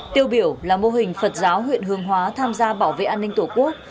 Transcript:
tiêu biểu là mô hình phật giáo huyện hương hóa tham gia bảo vệ an ninh tổ quốc